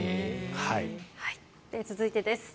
続いてです。